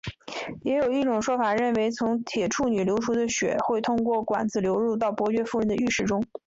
也有一种说法认为从铁处女流出的血会通过管子流入到伯爵夫人的浴室中。